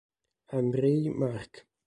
Andrei Marc